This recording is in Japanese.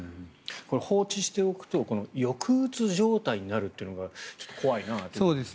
放置しておくと抑うつ状態になるというのがちょっと怖いなと。